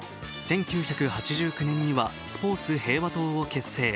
１９８９年にはスポーツ平和党を結成。